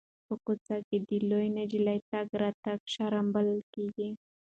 په کوڅه کې د لویې نجلۍ تګ راتګ شرم بلل کېږي.